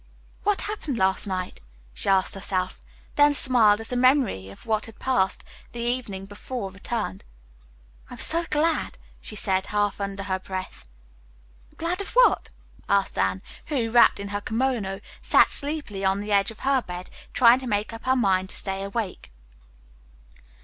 "What happened last night?" she asked herself, then smiled as the memory of what had passed the evening before returned. "I'm so glad," she said half under her breath. "Glad of what?" asked Anne, who, wrapped in her kimono, sat sleepily on the edge of her bed, trying to make up her mind to stay awake.